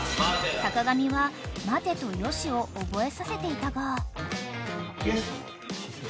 ［坂上は「待て！」と「よし」を覚えさせていたが］